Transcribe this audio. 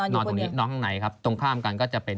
นอนข้างในครับตรงข้ามกันก็จะเป็น